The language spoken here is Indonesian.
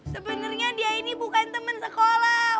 sebenernya dia ini bukan temen sekolah